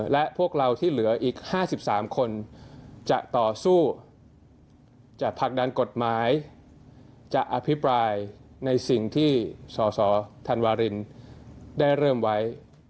และพวกเราที่เหลืออีก๕๓คนจะต่อสู้จะผลักดันกฎหมายจะอภิปรายในสิ่งที่สสธันวารินได้เริ่มไว้